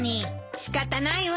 仕方ないわ。